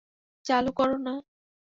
চালু করো না।